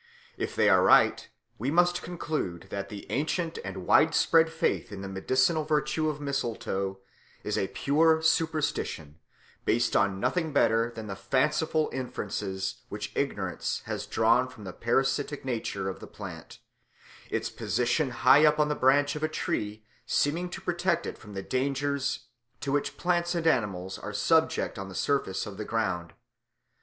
If they are right, we must conclude that the ancient and widespread faith in the medicinal virtue of mistletoe is a pure superstition based on nothing better than the fanciful inferences which ignorance has drawn from the parasitic nature of the plant, its position high up on the branch of a tree seeming to protect it from the dangers to which plants and animals are subject on the surface of the ground.